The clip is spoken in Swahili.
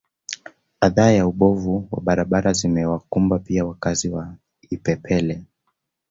Adha ya ubovu wa barabara zimewakumba pia wakazi wa Ipepele